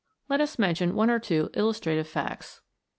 Let us mention one or two illustrative facts.